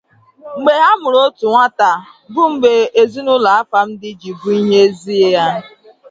Mgbe ha muru otu nwata bu mgbe ezinulo Afamdi ji but ihe ezie.